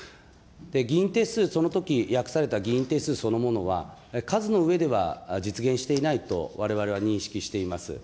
議員定数、そのとき、約された議員定数そのものは、数の上では実現していないとわれわれは認識しています。